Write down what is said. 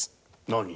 何！？